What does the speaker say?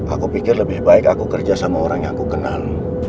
aku pikir lebih baik aku kerja sama orang yang aku kenal